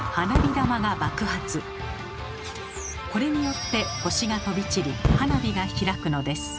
これによって星が飛び散り花火が開くのです。